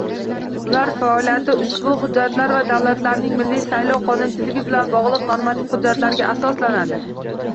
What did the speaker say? Ular faoliyati ushbu hujjatlar va davlatlarning milliy saylov qonunchiligi bilan bogʻliq normativ hujjatlarga asoslanadi.